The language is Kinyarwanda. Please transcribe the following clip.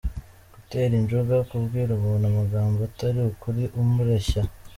Gutera injuga : kubwira umuntu amagambo atari ukuri , umureshya.